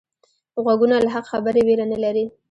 غوږونه له حق خبرې ویره نه لري